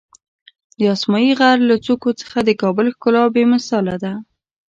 د اسمایي غر له څوکو څخه د کابل ښکلا بېمثاله ده.